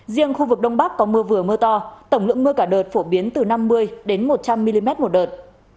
riêng khu vực đông bắc có mưa vừa mưa to tổng lượng mưa cả đợt phổ biến từ năm mươi đến một trăm linh mm một đợt